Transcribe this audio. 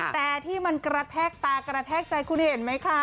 แต่ที่มันกระแทกตากระแทกใจคุณเห็นไหมคะ